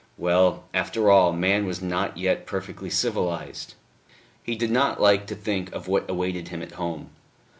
Well, after all, man was not yet perfectly civilised. He did not like to think of what awaited him at home.